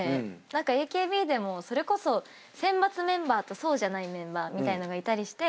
何かＡＫＢでもそれこそ選抜メンバーとそうじゃないメンバーみたいなのがいたりして。